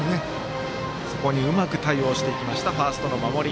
そこにうまく対応していきましたファーストの守り。